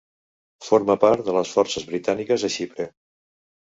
Forma part de les Forces Britàniques a Xipre.